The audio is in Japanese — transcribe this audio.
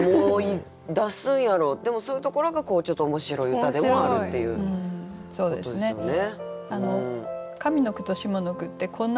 でもそういうところがちょっと面白い歌でもあるっていうことですよね。